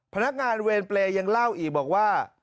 พนักงานเวรเปรย์ยังเล่าอีกบอกว่า